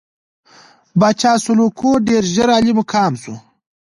پاچا سلوکو ډېر ژر عالي مقام شو.